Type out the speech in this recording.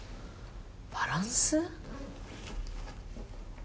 バランス？